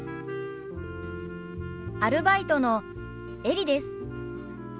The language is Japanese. アルバイトのエリです。